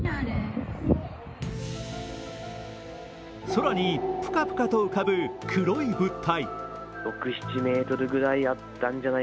空にプカプカと浮かぶ黒い物体。